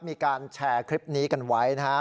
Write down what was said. มีการแชร์คลิปนี้กันไว้นะครับ